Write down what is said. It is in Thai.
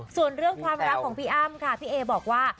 ส่วนเรื่องความรักของพี่อ้ำค่ะพี่เอบอกว่า